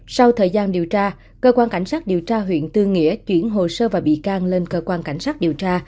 sau thời gian điều tra cơ quan cảnh sát điều tra huyện tư nghĩa chuyển hồ sơ và bị can lên cơ quan cảnh sát điều tra